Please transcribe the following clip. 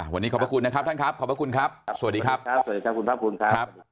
วันนี้ขอบพระคุณนะครับท่านครับขอบพระคุณครับสวัสดีครับครับสวัสดีครับคุณภาคภูมิครับ